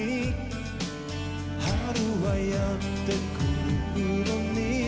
「春はやってくるのに」